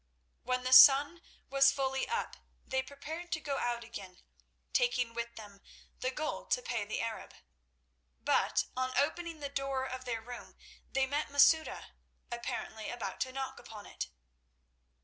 When the sun was fully up they prepared to go out again, taking with them the gold to pay the Arab; but on opening the door of their room they met Masouda, apparently about to knock upon it.